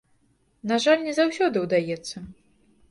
На жаль, не заўсёды ўдаецца.